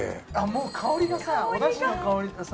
もう香りがさお出汁の香りとさ